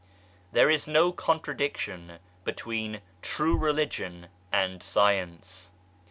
There is no contradiction between True Religion and Science.